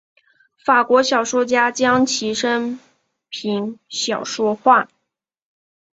法国小说家将其生平小说化。